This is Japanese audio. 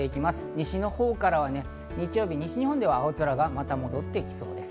西のほうからは日曜日、西日本では青空がまた戻ってきそうです。